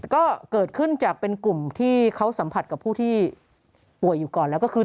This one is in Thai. ก็เกิดขึ้นจากเป็นกลุ่มที่เขาสัมผัสกับผู้ที่ป่วยอยู่ก่อนแล้วก็คือ